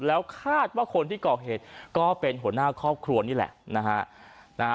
แล้วคาดว่าคนที่ก่อเหตุก็เป็นหัวหน้าครอบครัวนี่แหละนะฮะ